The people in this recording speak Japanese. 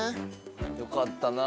よかったな。